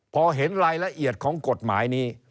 พอเห็นรายละเอียดของกฎหมายนี้